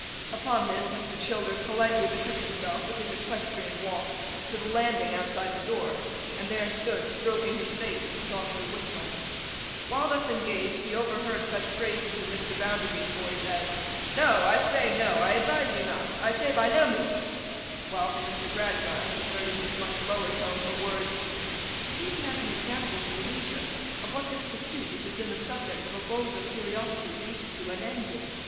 Upon this, Mr. Childers politely betook himself, with his equestrian walk, to the landing outside the door, and there stood stroking his face, and softly whistling. While thus engaged, he overheard such phrases in Mr. Bounderby's voice as 'No. I say no. I advise you not. I say by no means.' While, from Mr. Gradgrind, he heard in his much lower tone the words, 'But even as an example to Louisa, of what this pursuit which has been the subject of a vulgar curiosity, leads to and ends in.